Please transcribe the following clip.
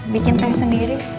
bikin teh sendiri